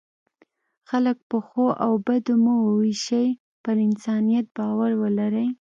خلک په ښو او بدو مه وویشئ، پر انسانیت باور ولرئ.